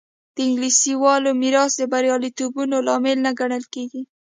د انګلیسي والي میراث د بریالیتوبونو لامل نه ګڼل کېږي.